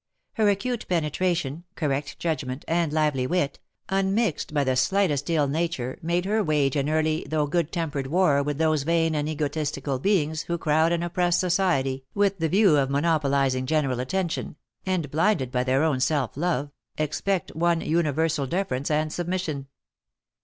Her acute penetration, correct judgment, and lively wit, unmixed by the slightest ill nature, made her wage an early, though good tempered war with those vain and egotistical beings who crowd and oppress society with the view of monopolising general attention, and, blinded by their own self love, expect one universal deference and submission.